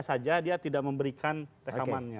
saja dia tidak memberikan rekamannya